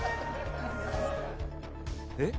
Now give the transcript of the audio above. えっ？